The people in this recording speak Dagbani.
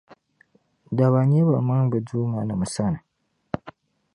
daba nya bɛmaŋ’ bɛ duumanim’ sani.